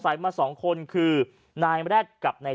ชาวบ้านญาติโปรดแค้นไปดูภาพบรรยากาศขณะ